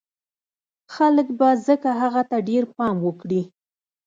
خلک به ځکه هغه ته ډېر پام وکړي